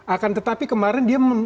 akan tetapi kemarin dia